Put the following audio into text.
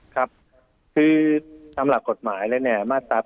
ครับคือสำหรับกฎหมายนะเนี่ยมาตรา๓๔